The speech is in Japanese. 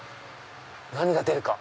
「何が出るか？」